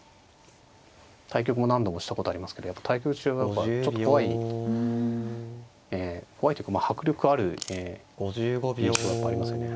対局も何度もしたことありますけど対局中はやっぱちょっと怖い怖いというか迫力ある印象はやっぱありますよね。